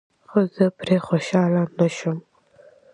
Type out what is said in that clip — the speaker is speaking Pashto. خو زه پرې خوشحاله نشوم.